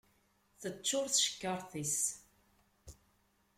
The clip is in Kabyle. Teččuṛ tcekkaṛt-is.